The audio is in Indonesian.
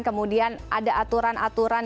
kemudian ada aturan aturan